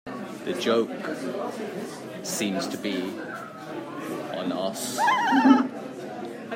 The joke seems to be on us.